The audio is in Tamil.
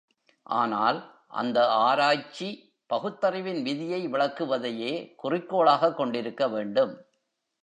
ஆனால், அந்த ஆராய்ச்சி பகுத்தறிவின் விதியை விளக்குவதையே குறிக்கோளாகக் கொண்டிருக்க வேண்டும்.